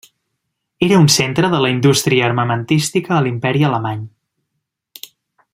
Era un centre de la indústria armamentística a l'Imperi Alemany.